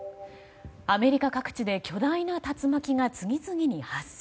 アメリカ各地で巨大な竜巻が次々に発生。